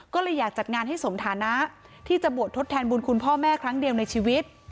ก็เลยอยากจัดงานให้สมฐานะที่จะบวชทดแทนบุญคุณพ่อแม่ครั้งเดียวในชีวิต